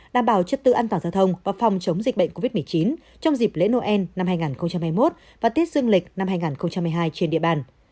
đảm bảo chất tự an toàn giao thông và phòng chống dịch bệnh covid một mươi chín trong dịp lễ noel năm hai nghìn hai mươi một và tết dương lịch năm hai nghìn hai mươi hai trên địa bàn